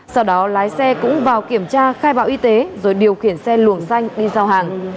sau đó lái xe cũng vào kiểm tra khai báo y tế rồi điều khiển xe luồng danh đi giao hàng